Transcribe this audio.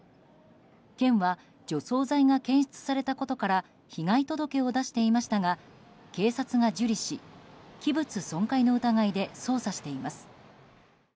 県は除草剤が検出されたことから被害届を出していましたが警察が受理し、器物損壊の疑いで捜査しています。